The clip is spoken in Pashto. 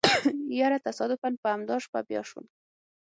يره تصادفاً په امدا شپه بيا شوم.